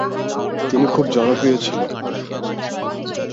খুব জনপ্রিয়ও ছিল।